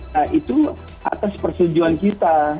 nah itu atas persetujuan kita